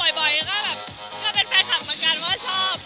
ก็แบบก็เป็นแฟนคลับเหมือนกันว่าชอบ